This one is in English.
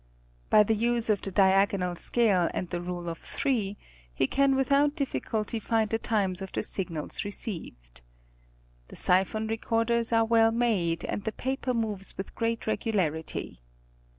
By the use of the diagonal scale and the Rule of Three, he can without difficulty find the times of the signals received. The siphon recorders are well made, and the paper moves with great regularity.